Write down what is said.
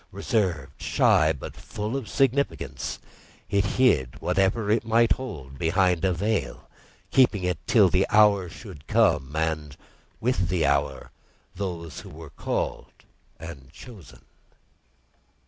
Reserved, shy, but full of significance, it hid whatever it might hold behind a veil, keeping it till the hour should come, and, with the hour, those who were called and chosen.